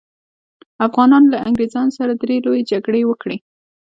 افغانانو له انګریزانو سره درې لويې جګړې وکړې.